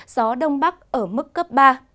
gió đông bắc ở mức cấp ba